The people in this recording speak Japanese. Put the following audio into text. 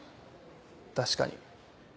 確かに。